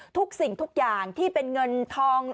ทุกสิ่งทุกอย่างที่เป็นเงินทอง